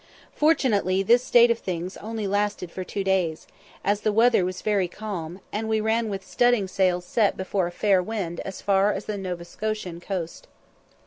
Fortunately this state of things only lasted for two days, as the weather was very calm, and we ran with studding sails set before a fair wind as far as the Nova Scotian coast.